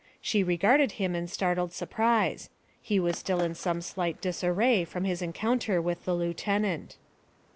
She regarded him in startled surprise; he was still in some slight disarray from his encounter with the lieutenant.